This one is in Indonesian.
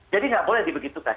jadi nggak boleh dibegitukan